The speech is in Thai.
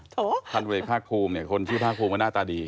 ธรรมดิกภาคภูมิคนชื่อภาคภูมิก็หน้าตาดี